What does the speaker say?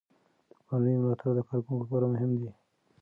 د کورنۍ ملاتړ د کارکوونکو لپاره مهم دی.